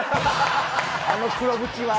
あの黒縁は。